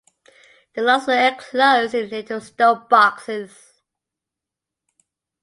The locks were enclosed in little stone boxes.